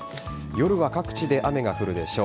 夜は各地で雨が降るでしょう。